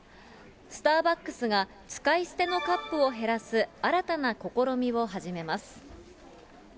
スターバックスが、使い捨てのカップを減らす新たな試みを始めます。